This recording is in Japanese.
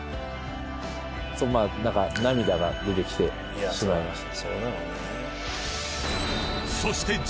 まぁ何か涙が出てきてしまいました。